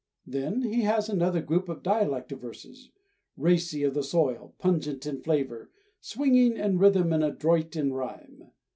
Then he has another group of dialect verses, racy of the soil, pungent in flavor, swinging in rhythm and adroit in rhyme.